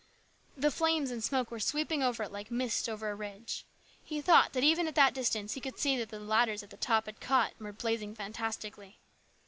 The flames and smoke were sweep ing over it like mist over a ridge. He thought that even at that distance he could see that the ladders at the top had caught and were blazing fantastically.